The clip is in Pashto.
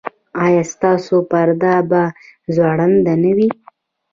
ایا ستاسو پرده به ځوړنده نه وي؟